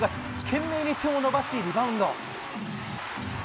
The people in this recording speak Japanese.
懸命に手を伸ばしリバウンド。